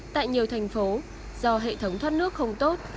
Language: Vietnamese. tại nhiều thành phố do hệ thống thoát nước không tốt